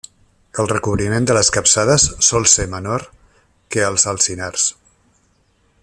El recobriment de les capçades sol ser menor que als alzinars.